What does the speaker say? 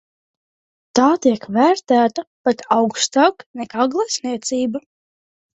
Tā tiek vērtēta pat augstāk nekā glezniecība.